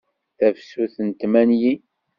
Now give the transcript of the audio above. Tafsut n tmanyin.